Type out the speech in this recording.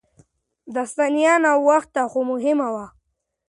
دا ستاينه ناوخته خو مهمه وه.